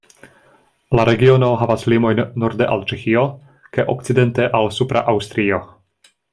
La regiono havas limojn norde al Ĉeĥio, kaj okcidente al Supra Aŭstrio.